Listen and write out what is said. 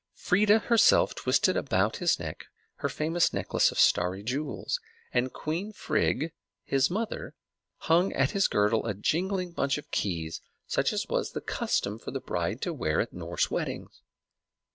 Freia herself twisted about his neck her famous necklace of starry jewels, and Queen Frigg, his mother, hung at his girdle a jingling bunch of keys, such as was the custom for the bride to wear at Norse weddings.